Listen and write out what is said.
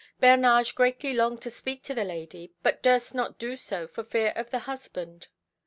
Bernage greatly longed to speak to the lady, but durst not do so for fear of the husband.